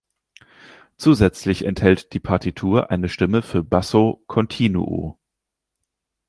Zusätzlich enthält die Partitur eine Stimme für Basso continuo.